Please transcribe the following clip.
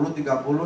di belakang kondok